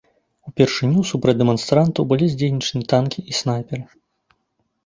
Упершыню супраць дэманстрантаў былі задзейнічаныя танкі і снайперы.